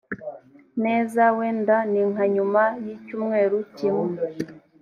neza wenda ni nka nyuma y icyumweru kimwe